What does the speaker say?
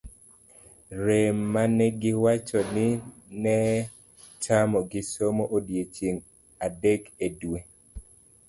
rem mane giwacho ni netamo gi somo odiochieng'e adek e dwe